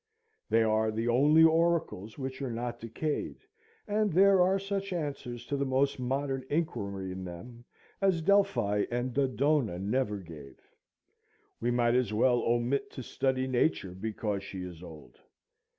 They are the only oracles which are not decayed, and there are such answers to the most modern inquiry in them as Delphi and Dodona never gave. We might as well omit to study Nature because she is old.